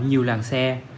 nhiều làng xe